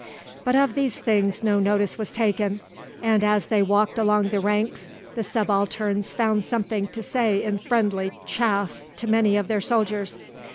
But of these things no notice was taken, and as they walked along the ranks the subalterns found something to say in friendly chaff to many of their soldiers.